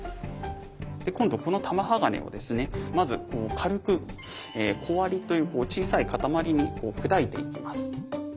今度この玉鋼をですねまず軽く小割りという小さい塊に砕いていきます。